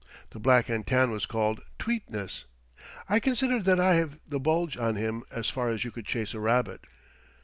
The black and tan was called "Tweetness." I consider that I have the bulge on him as far as you could chase a rabbit.